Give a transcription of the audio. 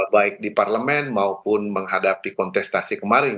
baik di parlemen maupun menghadapi kontestasi kemarin